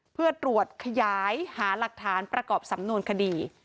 เพื่อตรวจขยายหาหลักฐานประกอบสำนวนคดี